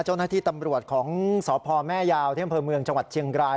เจ้าหน้าที่ตำรวจของสพแม่ยาวที่อำเภอเมืองจังหวัดเชียงราย